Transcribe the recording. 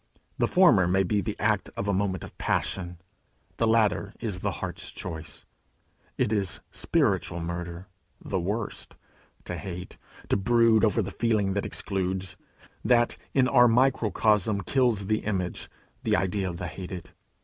The former may be the act of a moment of passion: the latter is the heart's choice. It is spiritual murder, the worst, to hate, to brood over the feeling that excludes, that, in our microcosm, kills the image, the idea of the hated.